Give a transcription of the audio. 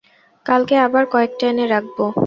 কালকে আবার কয়েকটা এনে রাখব।